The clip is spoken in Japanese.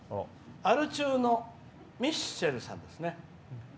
アル中のミッシェルさんですね。